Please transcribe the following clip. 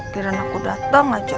kira kira aku datang aja